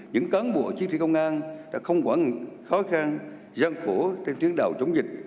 những cán bộ chiến sĩ công an đã không quản khó khăn gian khổ trên tuyến đầu chống dịch